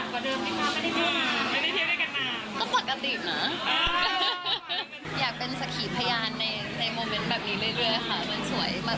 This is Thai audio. เมื่อที่เพิ่มมาไม่ได้ทีเพื่อกันมา